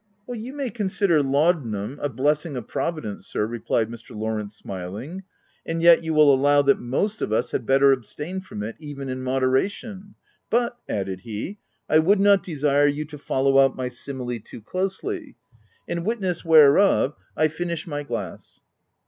"Ycu may consider laudanum a blessing of Providence, sir/' replied Mr. Lawrence, smil ing; "and yet, you will allow that most of us had better abstain from it, even in moderation ; but," added he, " I would not desire you to follow out my simile too closely — in witness whereof I finish my glass."